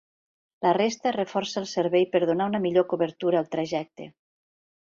La resta reforça el servei per donar una millor cobertura al trajecte.